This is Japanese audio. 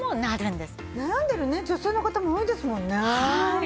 悩んでるね女性の方も多いですもんね。